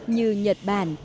như nhật bản